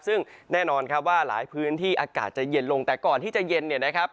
ซึ่งแน่นอนครับว่าหลายพื้นที่อากาศจะเย็นลงแต่ก่อนที่จะเย็นเนี่ยนะครับ